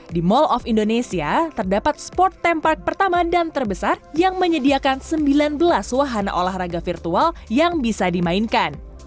di mall of indonesia terdapat sport time park pertama dan terbesar yang menyediakan sembilan belas wahana olahraga virtual yang bisa dimainkan